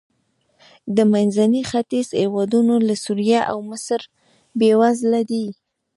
د منځني ختیځ هېوادونه لکه سوریه او مصر بېوزله دي.